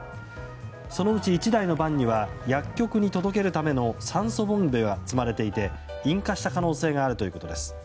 そのうち１台のバンには薬局に届けるための酸素ボンベが積まれていて引火した可能性があるということです。